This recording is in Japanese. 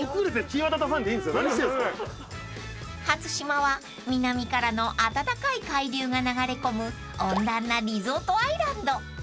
［初島は南からの暖かい海流が流れ込む温暖なリゾートアイランド］